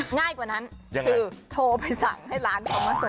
นั่ง่ายกว่านั้น